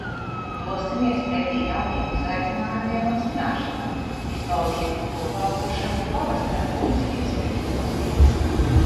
Dosimies pretī jauniem izaicinājumiem un zināšanām. Izbaudīsim kopā būšanu un pavasari. Mums viss izdosies!